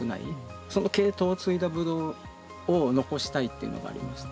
その系統を継いだブドウを残したいっていうのがありまして。